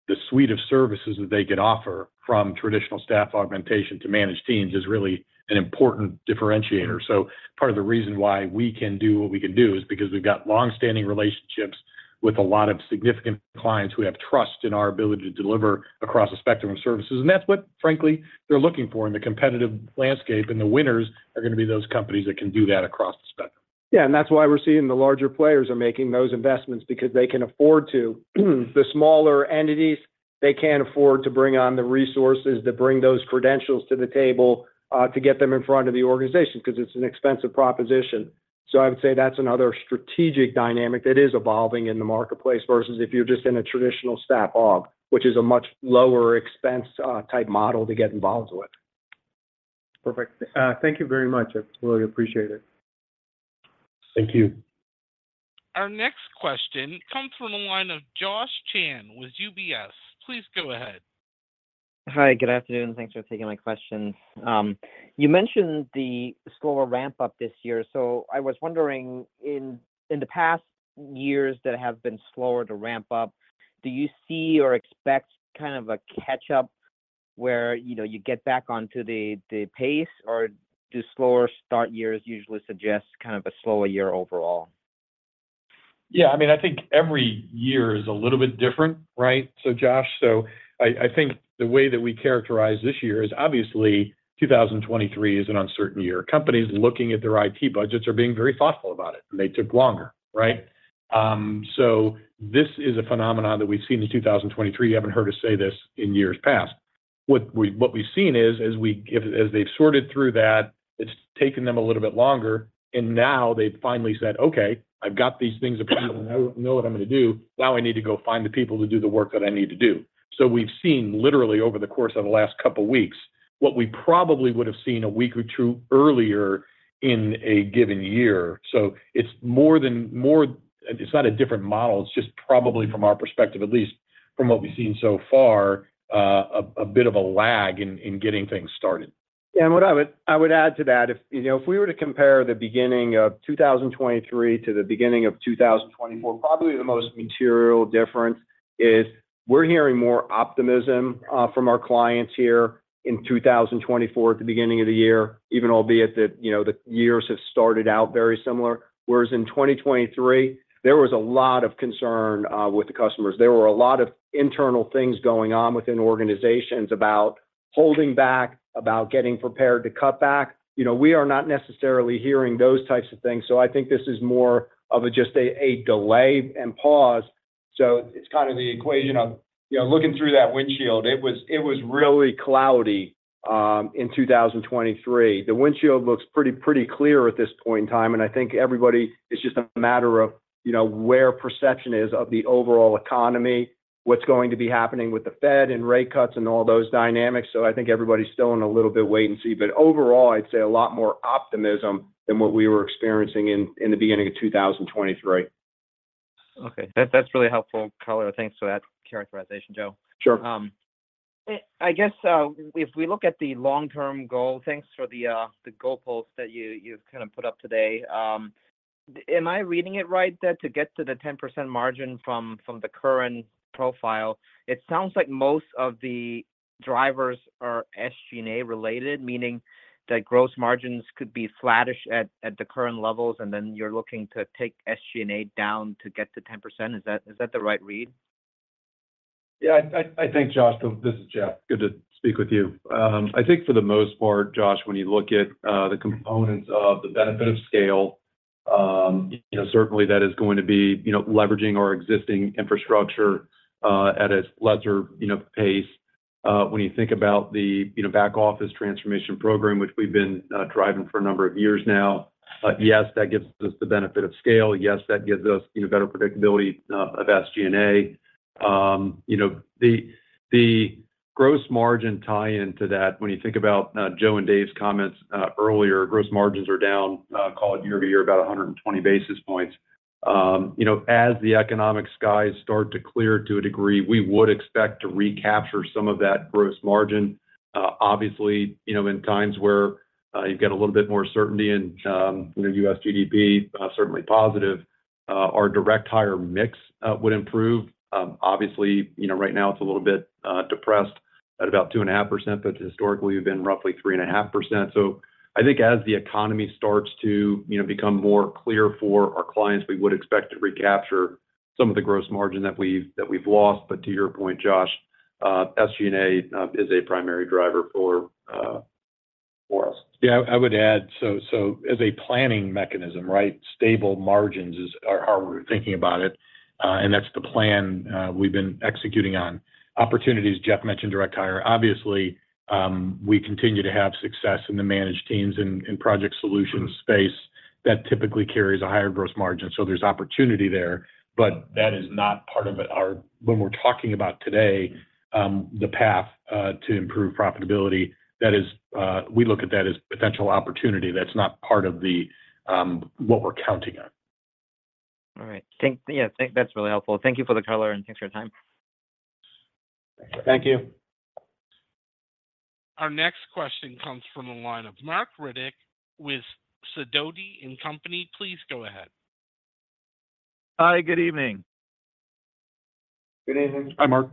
[SPEAKER 3] the suite of services that they could offer from traditional staff augmentation to managed teams, is really an important differentiator. So part of the reason why we can do what we can do is because we've got long-standing relationships with a lot of significant clients who have trust in our ability to deliver across a spectrum of services, and that's what, frankly, they're looking for in the competitive landscape. And the winners are going to be those companies that can do that across the spectrum.
[SPEAKER 2] Yeah, and that's why we're seeing the larger players are making those investments because they can afford to. The smaller entities, they can't afford to bring on the resources that bring those credentials to the table, to get them in front of the organization because it's an expensive proposition. So I would say that's another strategic dynamic that is evolving in the marketplace, versus if you're just in a traditional staff aug, which is a much lower expense, type model to get involved with.
[SPEAKER 7] Perfect. Thank you very much. I really appreciate it.
[SPEAKER 2] Thank you.
[SPEAKER 1] Our next question comes from the line of Josh Chan with UBS. Please go ahead.
[SPEAKER 8] Hi, good afternoon. Thanks for taking my questions. You mentioned the slower ramp-up this year, so I was wondering, in the past years that have been slower to ramp up, do you see or expect kind of a catch-up where, you know, you get back onto the pace, or do slower start years usually suggest kind of a slower year overall?
[SPEAKER 3] Yeah, I mean, I think every year is a little bit different, right? So, Josh, I think the way that we characterize this year is obviously 2023 is an uncertain year. Companies looking at their IT budgets are being very thoughtful about it, and they took longer, right? So this is a phenomenon that we've seen in 2023. You haven't heard us say this in years past.... What we've seen is, as they've sorted through that, it's taken them a little bit longer, and now they've finally said, "Okay, I've got these things approved, and I know what I'm going to do. Now I need to go find the people to do the work that I need to do." So we've seen literally over the course of the last couple weeks, what we probably would have seen a week or two earlier in a given year. So it's not a different model. It's just probably from our perspective, at least from what we've seen so far, a bit of a lag in getting things started.
[SPEAKER 2] And what I would add to that, if you know, if we were to compare the beginning of 2023 to the beginning of 2024, probably the most material difference is we're hearing more optimism from our clients here in 2024 at the beginning of the year, even albeit that, you know, the years have started out very similar. Whereas in 2023, there was a lot of concern with the customers. There were a lot of internal things going on within organizations about holding back, about getting prepared to cut back. You know, we are not necessarily hearing those types of things, so I think this is more of a just a delay and pause. So it's kind of the equation of, you know, looking through that windshield. It was really cloudy in 2023. The windshield looks pretty clear at this point in time, and I think everybody, it's just a matter of, you know, where perception is of the overall economy, what's going to be happening with the Fed and rate cuts and all those dynamics. So I think everybody's still in a little bit wait and see, but overall, I'd say a lot more optimism than what we were experiencing in the beginning of 2023.
[SPEAKER 8] Okay, that, that's really helpful color. Thanks for that characterization, Joe.
[SPEAKER 2] Sure.
[SPEAKER 8] I guess, if we look at the long-term goal, thanks for the goalpost that you, you've kind of put up today. Am I reading it right that to get to the 10% margin from the current profile, it sounds like most of the drivers are SG&A related, meaning that gross margins could be flattish at the current levels, and then you're looking to take SG&A down to get to 10%. Is that the right read?
[SPEAKER 4] Yeah, I think, Josh, this is Jeff. Good to speak with you. I think for the most part, Josh, when you look at the components of the benefit of scale, you know, certainly that is going to be, you know, leveraging our existing infrastructure at a lesser, you know, pace. When you think about the, you know, back office transformation program, which we've been driving for a number of years now, yes, that gives us the benefit of scale. Yes, that gives us, you know, better predictability of SG&A. You know, the gross margin tie into that, when you think about Joe and Dave's comments earlier, gross margins are down, call it year-over-year, about 120 basis points. You know, as the economic skies start to clear to a degree, we would expect to recapture some of that gross margin. Obviously, you know, in times where you've got a little bit more certainty in you know, U.S. GDP, certainly positive, our direct hire mix would improve. Obviously, you know, right now it's a little bit depressed at about 2.5%, but historically, we've been roughly 3.5%. So I think as the economy starts to you know, become more clear for our clients, we would expect to recapture some of the gross margin that we've lost. But to your point, Josh, SG&A is a primary driver for us. Yeah, I would add, so as a planning mechanism, right? Stable margins is, are how we're thinking about it, and that's the plan, we've been executing on. Opportunities, Jeff mentioned direct hire. Obviously, we continue to have success in the managed teams and project solutions space that typically carries a higher gross margin. So there's opportunity there, but that is not part of it. Our - when we're talking about today, the path, to improve profitability, that is, we look at that as potential opportunity. That's not part of the, what we're counting on.
[SPEAKER 8] All right. Thanks, yeah, thanks. That's really helpful. Thank you for the color, and thanks for your time.
[SPEAKER 2] Thank you.
[SPEAKER 4] Thank you.
[SPEAKER 1] Our next question comes from the line of Marc Riddick with Sidoti & Company. Please go ahead.
[SPEAKER 9] Hi, good evening.
[SPEAKER 2] Good evening.
[SPEAKER 3] Hi, Marc.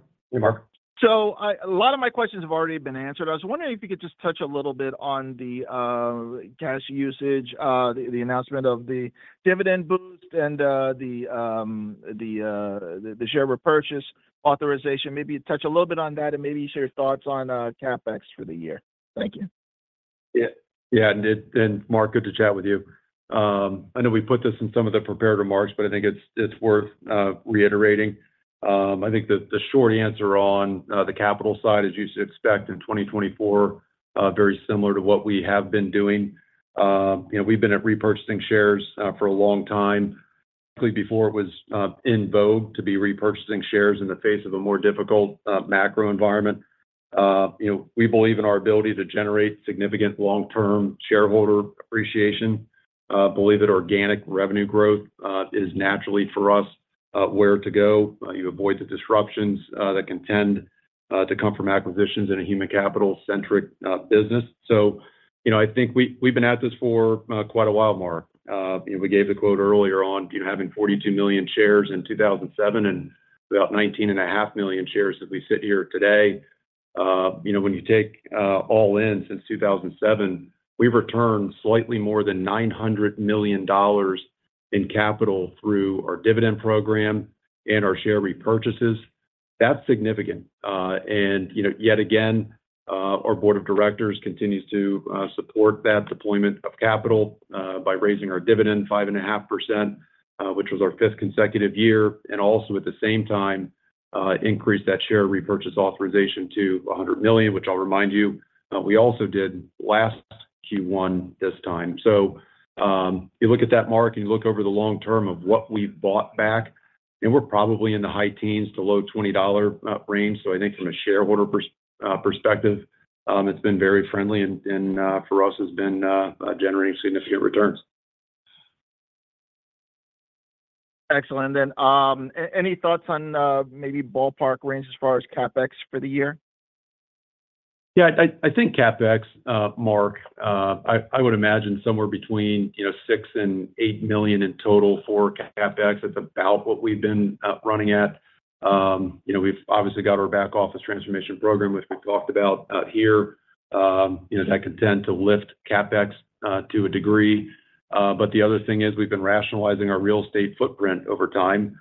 [SPEAKER 4] Hey, Marc.
[SPEAKER 9] A lot of my questions have already been answered. I was wondering if you could just touch a little bit on the cash usage, the announcement of the dividend boost and the share repurchase authorization. Maybe touch a little bit on that and maybe share your thoughts on CapEx for the year. Thank you.
[SPEAKER 4] Yeah. Yeah, and Marc, good to chat with you. I know we put this in some of the prepared remarks, but I think it's worth reiterating. I think the short answer on the capital side is you should expect in 2024 very similar to what we have been doing. You know, we've been repurchasing shares for a long time, before it was in vogue to be repurchasing shares in the face of a more difficult macro environment. You know, we believe in our ability to generate significant long-term shareholder appreciation, believe that organic revenue growth is naturally for us where to go. You avoid the disruptions that can tend to come from acquisitions in a human capital-centric business. So, you know, I think we, we've been at this for quite a while, Marc. We gave the quote earlier on, you know, having 42 million shares in 2007 and about 19.5 million shares as we sit here today. You know, when you take all in since 2007, we've returned slightly more than $900 million in capital through our dividend program and our share repurchases. That's significant. And, you know, yet again, our board of directors continues to support that deployment of capital by raising our dividend 5.5%.... which was our fifth consecutive year, and also at the same time, increased that share repurchase authorization to $100 million, which I'll remind you, we also did last Q1 this time. So, you look at that, Marc, and you look over the long term of what we've bought back, and we're probably in the high teens to low $20 range. So I think from a shareholder perspective, it's been very friendly and, for us, has been generating significant returns.
[SPEAKER 9] Excellent. And then, any thoughts on, maybe ballpark range as far as CapEx for the year?
[SPEAKER 4] Yeah, I think CapEx, Marc, I would imagine somewhere between, you know, $6 million and $8 million in total for CapEx. That's about what we've been running at. You know, we've obviously got our back office transformation program, which we've talked about here. You know, that could tend to lift CapEx to a degree. But the other thing is we've been rationalizing our real estate footprint over time.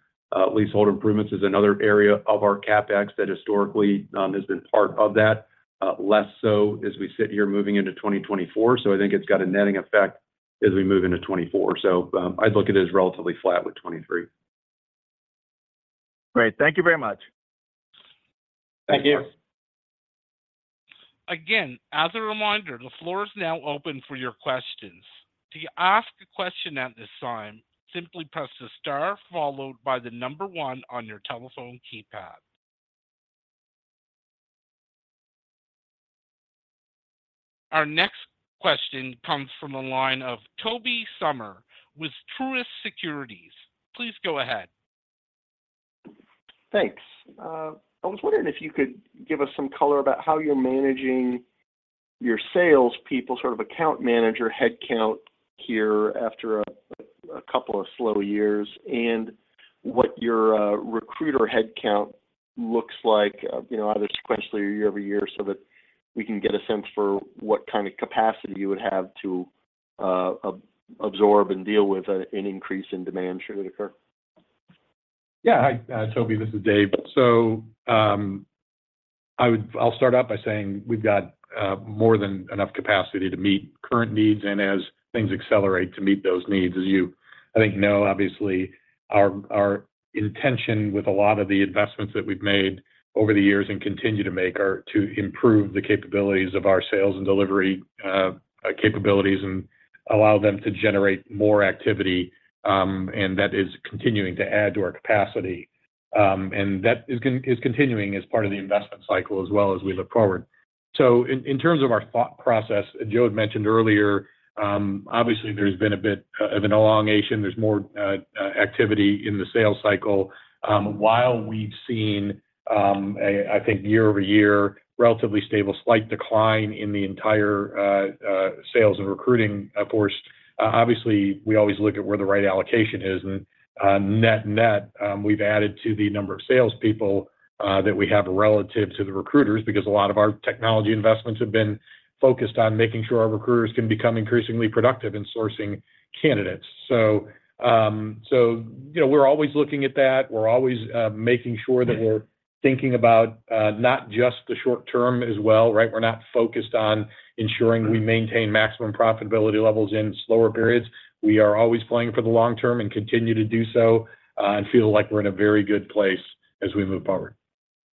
[SPEAKER 4] Leasehold improvements is another area of our CapEx that historically has been part of that, less so as we sit here moving into 2024. So I think it's got a netting effect as we move into 2024. So, I'd look at it as relatively flat with 2023.
[SPEAKER 9] Great. Thank you very much.
[SPEAKER 2] Thank you.
[SPEAKER 1] Again, as a reminder, the floor is now open for your questions. To ask a question at this time, simply press the star followed by the number one on your telephone keypad. Our next question comes from the line of Tobey Sommer with Truist Securities. Please go ahead.
[SPEAKER 10] Thanks. I was wondering if you could give us some color about how you're managing your sales people, sort of account manager headcount here after a couple of slow years, and what your recruiter headcount looks like, you know, either sequentially or year-over-year, so that we can get a sense for what kind of capacity you would have to absorb and deal with an increase in demand should it occur?
[SPEAKER 3] Yeah. Hi, Tobey, this is Dave. So, I'll start out by saying we've got more than enough capacity to meet current needs and as things accelerate, to meet those needs. As you, I think, know, obviously, our intention with a lot of the investments that we've made over the years and continue to make are to improve the capabilities of our sales and delivery capabilities and allow them to generate more activity, and that is continuing to add to our capacity. And that is continuing as part of the investment cycle as well as we look forward. So in terms of our thought process, Joe had mentioned earlier, obviously, there's been a bit of an elongation. There's more activity in the sales cycle. While we've seen, I think, year-over-year, relatively stable, slight decline in the entire sales and recruiting force, obviously, we always look at where the right allocation is. And, net, net, we've added to the number of sales people that we have relative to the recruiters, because a lot of our technology investments have been focused on making sure our recruiters can become increasingly productive in sourcing candidates. So, so, you know, we're always looking at that. We're always making sure that we're thinking about not just the short term as well, right? We're not focused on ensuring we maintain maximum profitability levels in slower periods. We are always playing for the long term and continue to do so, and feel like we're in a very good place as we move forward.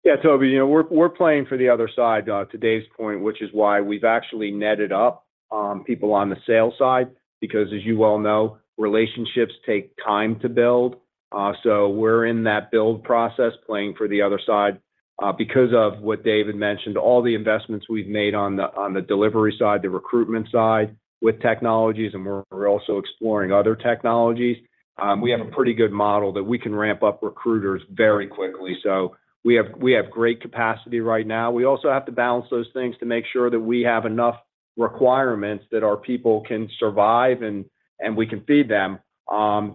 [SPEAKER 2] Yeah, Tobey, you know, we're, we're playing for the other side, to Dave's point, which is why we've actually netted up, people on the sales side, because as you well know, relationships take time to build. So we're in that build process, playing for the other side. Because of what Dave had mentioned, all the investments we've made on the, on the delivery side, the recruitment side, with technologies, and we're also exploring other technologies, we have a pretty good model that we can ramp up recruiters very quickly. So we have, we have great capacity right now. We also have to balance those things to make sure that we have enough requirements that our people can survive and, and we can feed them,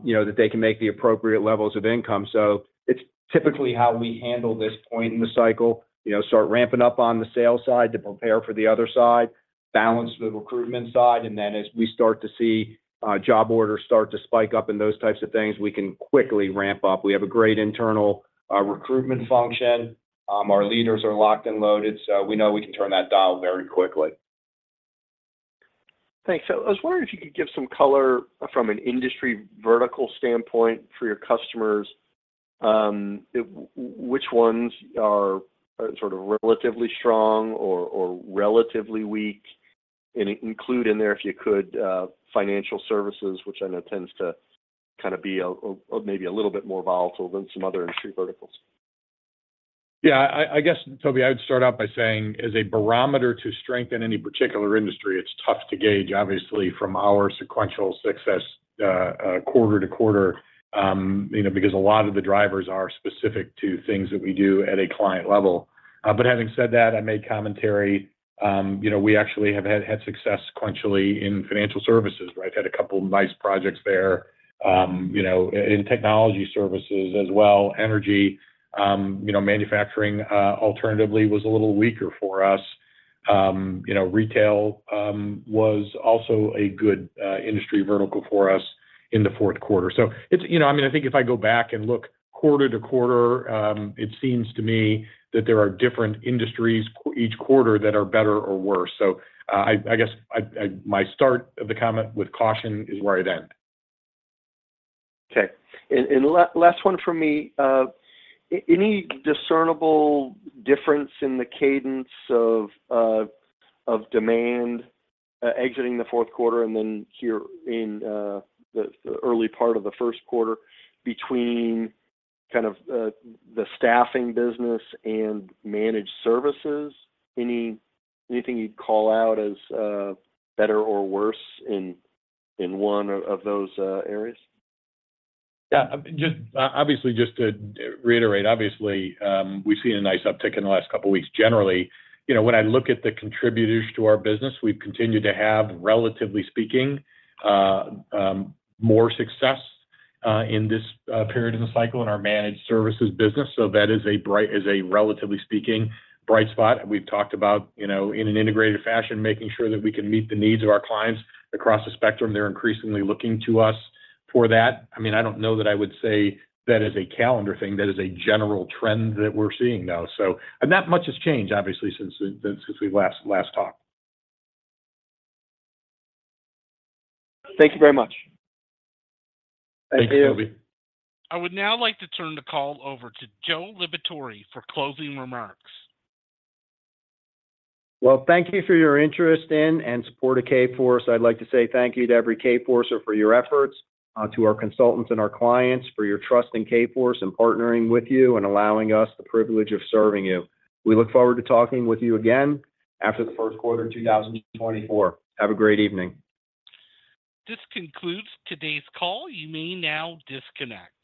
[SPEAKER 2] you know, that they can make the appropriate levels of income. So it's typically how we handle this point in the cycle. You know, start ramping up on the sales side to prepare for the other side, balance the recruitment side, and then as we start to see, job orders start to spike up in those types of things, we can quickly ramp up. We have a great internal, recruitment function. Our leaders are locked and loaded, so we know we can turn that dial very quickly.
[SPEAKER 10] Thanks. So I was wondering if you could give some color from an industry vertical standpoint for your customers, which ones are sort of relatively strong or relatively weak? And include in there, if you could, financial services, which I know tends to kind of be a maybe a little bit more volatile than some other industry verticals.
[SPEAKER 3] Yeah, I guess, Tobey, I'd start out by saying, as a barometer to strengthen any particular industry, it's tough to gauge, obviously, from our sequential success, quarter to quarter, you know, because a lot of the drivers are specific to things that we do at a client level. But having said that, I made commentary, you know, we actually have had success sequentially in financial services, right? Had a couple of nice projects there, you know, in technology services as well. Energy, you know, manufacturing, alternatively, was a little weaker for us. You know, retail was also a good industry vertical for us in the fourth quarter. So it's... You know, I mean, I think if I go back and look quarter to quarter, it seems to me that there are different industries each quarter that are better or worse. So, I guess, my start of the comment with caution is where I'd end....
[SPEAKER 10] Okay, and last one from me. Any discernible difference in the cadence of demand exiting the fourth quarter and then here in the early part of the first quarter between kind of the staffing business and managed services? Anything you'd call out as better or worse in one of those areas?
[SPEAKER 3] Yeah, just, obviously, just to reiterate, obviously, we've seen a nice uptick in the last couple of weeks. Generally, you know, when I look at the contributors to our business, we've continued to have, relatively speaking, more success in this period in the cycle in our managed services business. So that is a, relatively speaking, bright spot. And we've talked about, you know, in an integrated fashion, making sure that we can meet the needs of our clients across the spectrum. They're increasingly looking to us for that. I mean, I don't know that I would say that is a calendar thing. That is a general trend that we're seeing now, so. And not much has changed, obviously, since we last talked.
[SPEAKER 10] Thank you very much.
[SPEAKER 3] Thank you.
[SPEAKER 1] I would now like to turn the call over to Joe Liberatore for closing remarks.
[SPEAKER 2] Well, thank you for your interest in and support of Kforce. I'd like to say thank you to every Kforcer for your efforts, to our consultants and our clients for your trust in Kforce, and partnering with you, and allowing us the privilege of serving you. We look forward to talking with you again after the first quarter of 2024. Have a great evening.
[SPEAKER 1] This concludes today's call. You may now disconnect.